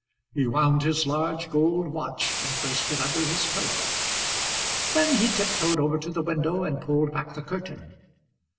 He wound his large gold watchAnd placed it under his pillow. Then he tiptoed over to the window and pulled back the curtain.